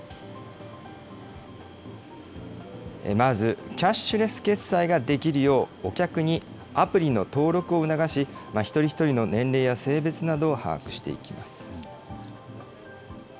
まずキャッシュレス決済ができるよう、お客にアプリの登録を促し、一人一人の年齢や性別などを把握していきます。